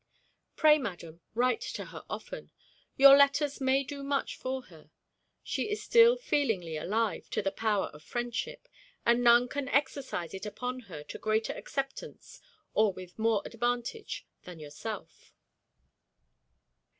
Pray, madam, write to her often. Your letters may do much for her. She is still feelingly alive to the power of friendship; and none can exercise it upon her to greater acceptance or with more advantage than yourself.